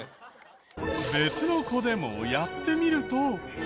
別の子でもやってみると。